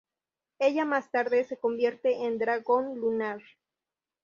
Ella más tarde se convierte en Dragón Lunar.